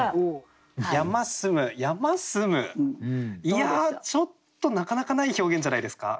いやちょっとなかなかない表現じゃないですか？